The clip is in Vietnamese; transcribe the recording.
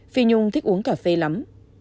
phi nhung thích uống cà phê lắm